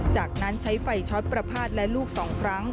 จากนั้นใช้ไฟช็อตประพาทและลูก๒ครั้ง